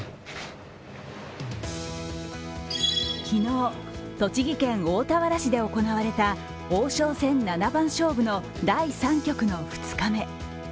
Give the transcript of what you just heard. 昨日、栃木県大田原市で行われた王将戦七番勝負の第３局の２日目。